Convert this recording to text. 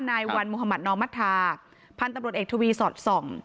นายวันมหมาตนอมมัธาพันธบริเวศทวีสอดส่อง